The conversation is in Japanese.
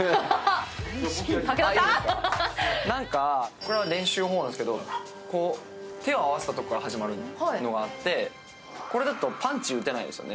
これは練習法なんですけど手を合わせたところで始まってこれだとパンチ打てないですよね。